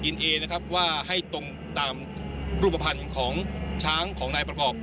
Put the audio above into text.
เอนะครับว่าให้ตรงตามรูปภัณฑ์ของช้างของนายประกอบ